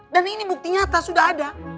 dan ini bukti nyata sudah ada